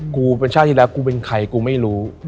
กูเป็นชาติที่แล้วกูเป็นใครกูไม่รู้